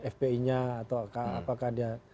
fpi nya atau apakah dia